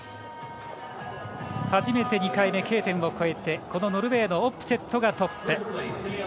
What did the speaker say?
初めて２回目Ｋ点を越えてこのノルウェーのオップセットがトップ。